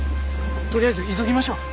とりあえず急ぎましょう。